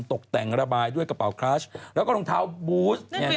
ตกแต่งระบายด้วยกระเป๋าคลัสแล้วก็รองเท้าบูส